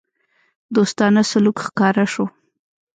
دوستانه سلوک ښکاره شو.